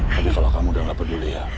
tapi kalau kamu sudah tidak peduli ya